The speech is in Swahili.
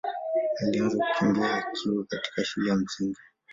alianza kukimbia akiwa katika shule ya Msingi.